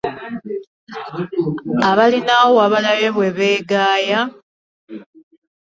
Abalinawo wabalabye bwe beegaaya?